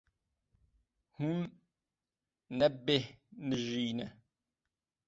Hûn nebêhnijîne.